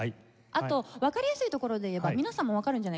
あとわかりやすいところで言えば皆さんもわかるんじゃないかな？